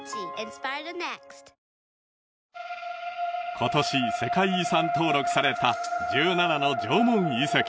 今年世界遺産登録された１７の縄文遺跡